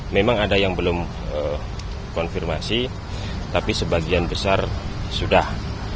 memang ada yang belum konfirmasi tapi sebagian besar sudah